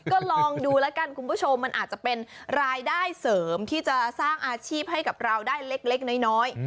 ก็ลองดูแล้วกันคุณผู้ชมมันอาจจะเป็นรายได้เสริมที่จะสร้างอาชีพให้กับเราได้เล็กน้อย